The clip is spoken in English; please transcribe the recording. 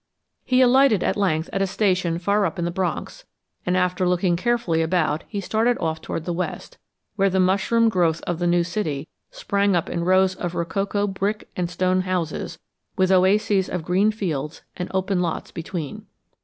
He alighted at length at a station far up in the Bronx, and after looking carefully about he started off toward the west, where the mushroom growth of the new city sprang up in rows of rococo brick and stone houses with oases of green fields and open lots between.